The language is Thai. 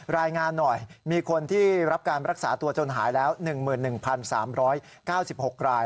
รายงานหน่อยมีคนที่รับการรักษาตัวจนหายแล้ว๑๑๓๙๖ราย